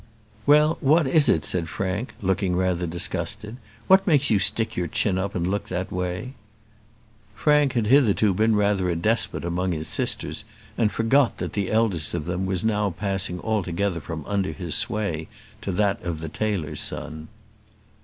"Well, what is it?" said Frank, looking rather disgusted. "What makes you stick your chin up and look in that way?" Frank had hitherto been rather a despot among his sisters, and forgot that the eldest of them was now passing altogether from under his sway to that of the tailor's son.